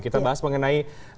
kita bahas mengenai rush money